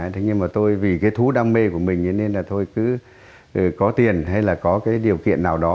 thế nhưng mà tôi vì cái thú đam mê của mình nên là tôi cứ có tiền hay là có cái điều kiện nào đó